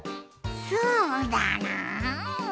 そうだな。